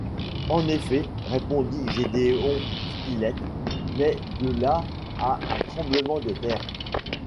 En effet, répondit Gédéon Spilett, mais de là à un tremblement de terre...